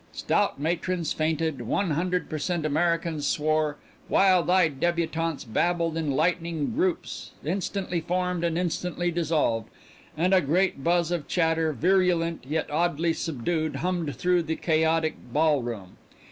Stout matrons fainted, one hundred per cent Americans swore, wild eyed débutantes babbled in lightning groups instantly formed and instantly dissolved, and a great buzz of chatter, virulent yet oddly subdued, hummed through the chaotic ballroom.